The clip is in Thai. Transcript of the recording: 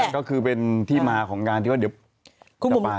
ก็คือเป็นต้นที่มาของการว่าเดี๋ยวปล่อย